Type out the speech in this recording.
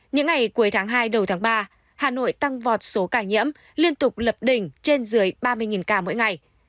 những ngày cuối tháng hai đầu tháng ba hà nội tăng vọt số ca nhiễm liên tục lập đỉnh trên dưới ba mươi ca mỗi ngày